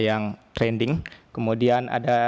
yang trending kemudian ada